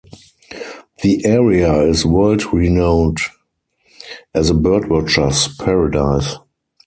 The area is world-renowned as a birdwatcher's paradise.